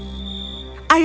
dia menerima nasihat dari ayah